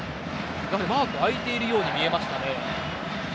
マークが空いているように見えましたね。